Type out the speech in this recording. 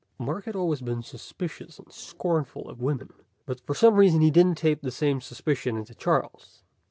Mark had always been suspicious and scornful of women. But for some reason he didn't tape the same suspicion into Charles.